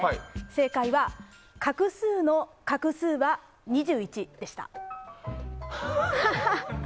正解は「画数」の画数は２１でした。